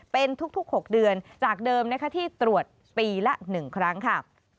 เป็นทุก๖เดือนจากเดิมนะคะที่ตรวจปีละ๑ครั้งค่ะ